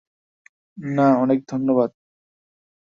না, অনেক ধন্যবাদ।